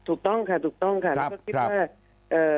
เถิดถูกต้องค่ะถูกต้องค่ะครับครับก็คิดว่าเอ่อ